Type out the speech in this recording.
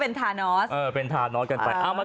ชวนให้ไปสังเกตการกันนับคะแนน